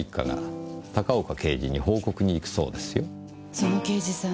その刑事さん